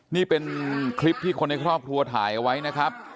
นี่เป็นคลิปที่คนในครอบครัวถ่ายเอาไว้นะครับ